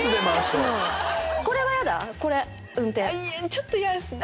ちょっと嫌ですね。